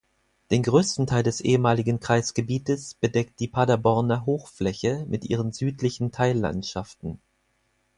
Den größten Teil des ehemaligen Kreisgebietes bedeckt die Paderborner Hochfläche mit ihren südlichen Teillandschaften.